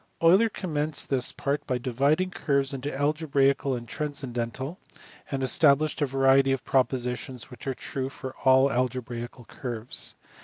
Euler commenced this part by dividing curves into algebraical and transcendental, and established a variety of propositions which are true for all algebraical curves.